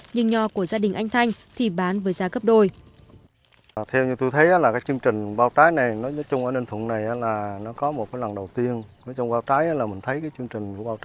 nhưng nho của gia đình anh thanh thì bán với giá gấp đôi